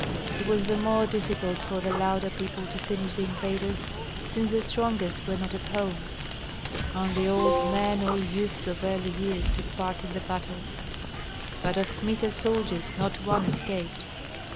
It was the more difficult for the Lauda people to finish the invaders, since the strongest were not at home; only old men or youths of early years took part in the battle. But of Kmita's soldiers not one escaped.